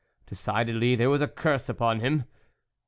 Decidedly there was a curse upon him.